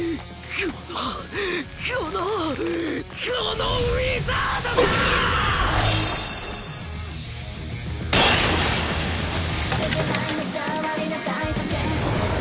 このこのこのウィザードが！